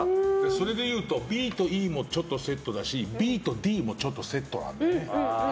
それで言うとＢとＥもセットだしＢとＤもちょっとセットなんだよね。